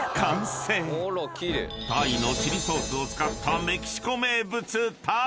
［タイのチリソースを使ったメキシコ名物］